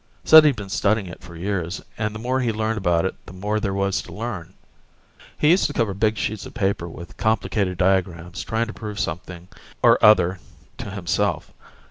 Said he'd been studying it for years, and the more he learned about it the more there was to learn. He used to cover big sheets of paper with complicated diagrams trying to prove something or other to himself.